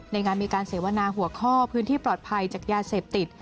ในงานมีการเสวนาหัวข้อพื้นที่ปลอดภัยจากยาเสพติด